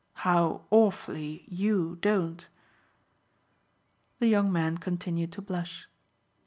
"How awfully YOU don't!" The young man continued to blush.